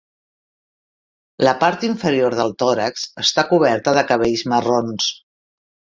La part inferior del tòrax està coberta de cabells marrons.